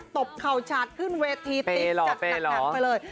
ตบเข่าฉาดขึ้นเวทีติดจัดหนักไปเลย